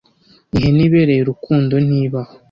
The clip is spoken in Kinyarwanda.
ihene ibereye urukundo ntibaho